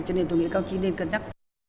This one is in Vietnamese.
cho nên tôi nghĩ công trình nên cân nhắc